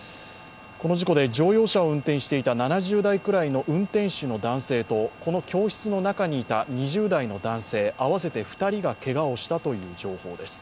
この事故で乗用車を運転していた７０代くらいの運転手の男性とこの教室の中にいた２０代の男性、合わせて２人がけがをしたという情報です。